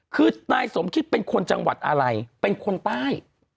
คือนายสมคิดเป็นคนจังหวัดอะไรเป็นคนใต้